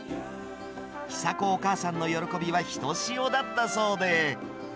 寿子お母さんの喜びはひとしおだったそうで。